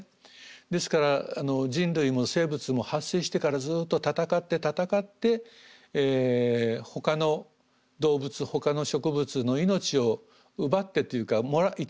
ですから人類も生物も発生してからずっと戦って戦ってほかの動物ほかの植物の命を奪ってというか頂いて生き残るわけです。